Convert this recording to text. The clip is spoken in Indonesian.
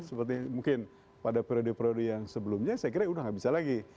seperti mungkin pada periode periode yang sebelumnya saya kira udah nggak bisa lagi